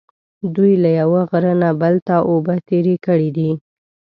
دوی له یوه غره نه بل ته اوبه تېرې کړې دي.